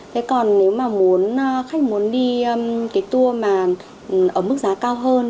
thế còn nếu mà khách muốn đi cái tour mà ở mức giá cao hơn